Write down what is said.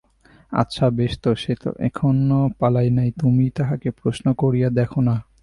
আচ্ছা, বেশ তো, সে তো এখনো পালায় নাই–তুমিই তাহাকে প্রশ্ন করিয়া দেখো-না।